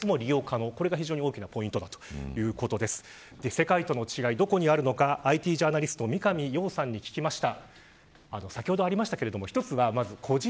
世界との違い、どこにあるのかＩＴジャーナリストの三上洋さんに聞きました。